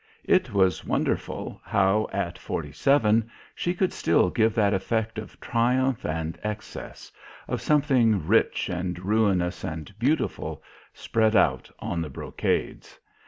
It was wonderful, how, at forty seven, she could still give that effect of triumph and excess, of something rich and ruinous and beautiful spread out on the brocades.